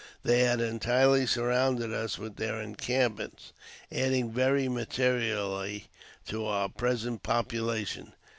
They had entirely surrounded us with their en campments, adding very materially to our present population.